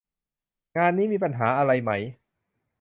งานนี้มีปัญหาอะไรไหม